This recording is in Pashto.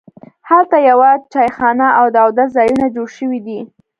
هلته یوه چایخانه او د اودس ځایونه جوړ شوي دي.